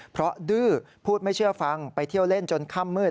เพราะดื้อพูดไม่เชื่อฟังไปเที่ยวเล่นจนค่ำมืด